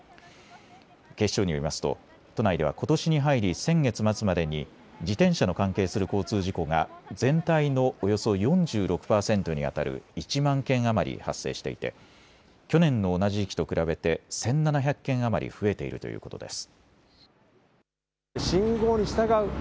警視庁によりますと都内ではことしに入り先月末までに自転車の関係する交通事故が全体のおよそ４６％にあたる１万件余り発生していて去年の同じ時期と比べて１７００件余り増えているということです。